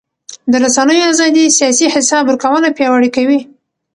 د رسنیو ازادي سیاسي حساب ورکونه پیاوړې کوي